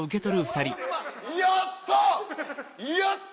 やった！